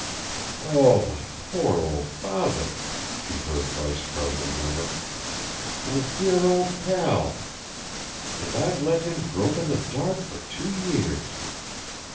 "Oh, my poor old father!" she heard Bryce Cardigan murmur. "My dear old pal! And I've let him grope in the dark for two years!"